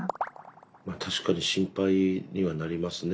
まあ確かに心配にはなりますね。